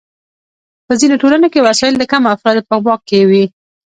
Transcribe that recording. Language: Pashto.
په ځینو ټولنو کې وسایل د کمو افرادو په واک کې وي.